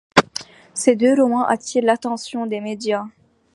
Ces deux romans attirent l'attention des médias.